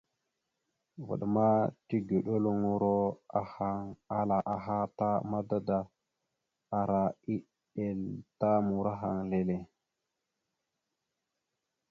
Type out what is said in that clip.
Vvaɗ ma tigəɗeluŋoro ahaŋ ala aha ta mada da ara eɗel ta murahaŋ leele.